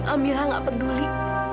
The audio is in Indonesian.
amira gak peduli